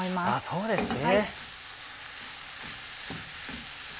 そうですね